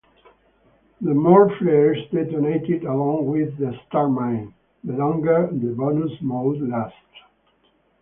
The more flares detonated along with the Starmine, the longer the bonus mode lasts.